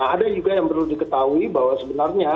ada juga yang perlu diketahui bahwa sebenarnya